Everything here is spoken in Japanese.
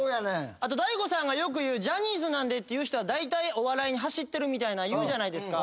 あと大悟さんがよく言う「ジャニーズなんで」って言う人はだいたいお笑いに走ってるみたいなん言うじゃないですか。